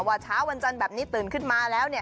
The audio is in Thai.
เช้าวันจันทร์แบบนี้ตื่นขึ้นมาแล้ว